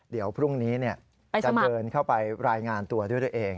เดี๋ยวพรุ่งนี้จะเดินเข้าไปรายงานตัวด้วยตัวเอง